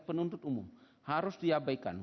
penuntut umum harus diabaikan